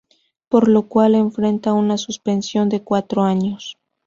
Por lo cual enfrenta una suspensión de cuatro años.